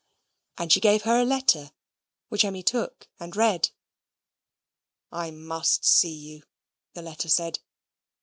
And she gave her a letter, which Emmy took, and read. "I must see you," the letter said.